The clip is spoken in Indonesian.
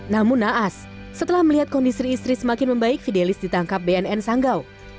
namun naas setelah melihat kondisi istri semakin membaik fidelis ditangkap bnn sanggau